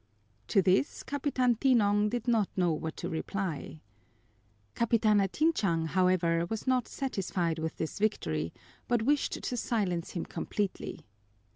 To this Capitan Tinong did not know what to reply. Capitana Tinchang, however, was not satisfied with this victory, but wished to silence him completely.